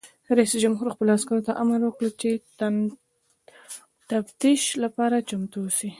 رئیس جمهور خپلو عسکرو ته امر وکړ؛ د تفتیش لپاره چمتو اوسئ!